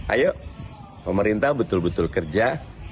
ayo pemerintah betul betul kerja